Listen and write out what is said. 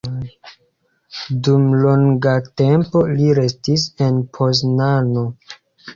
Dum longa tempo li restis en Poznano.